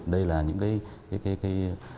đây là những cái